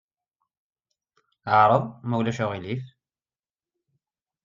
Ɛreḍ, ma ulac aɣilif.